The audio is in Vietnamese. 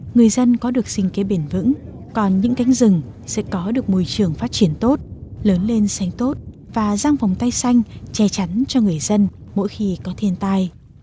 người dân có được sinh kế bền vững còn những cánh rừng sẽ có được môi trường phát triển tốt lớn lên xanh tốt và răng vòng tay xanh che chắn cho người dân mỗi khi có thiên tai